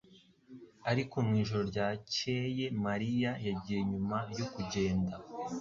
ariko mwijoro ryakeye Mariya yagiye nyuma yo kugenda